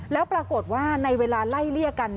แล้วปรากฏว่าในเวลาไล่เลี่ยกัน